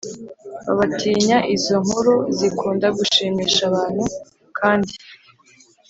babatinya Izo nkuru zikunda gushimisha abantu kandi